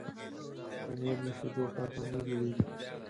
پنېر له شيدو پرته نه جوړېږي.